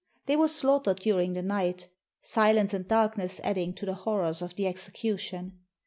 They were slaughtered during the night; silence and darkness adding to the horrors of the execution.